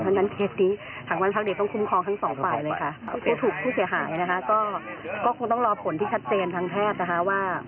อย่างเล็กมากเล็กจนน้องอาจจะไม่รู้ด้วยซ้ำ